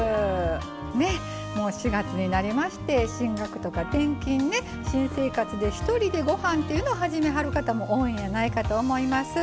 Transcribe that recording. もう４月になりまして進学とか転勤ね新生活でひとりでごはんっていうのを始めはる方も多いんやないかと思います。